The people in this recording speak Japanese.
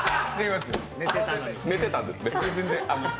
寝てたんですね。